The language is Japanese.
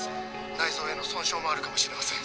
内臓への損傷もあるかもしれません。